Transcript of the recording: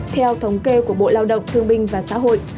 theo thống kê của bộ lao động thương binh và xã hội